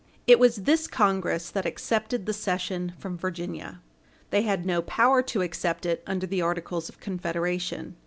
It was this Congress that accepted the cession from Virginia. They had no power to accept it under the Articles of Confederation.